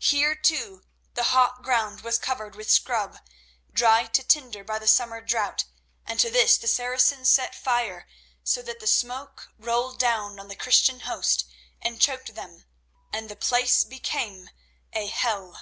Here, too, the hot ground was covered with scrub dried to tinder by the summer drought, and to this the Saracens set fire so that the smoke rolled down on the Christian host and choked them, and the place became a hell.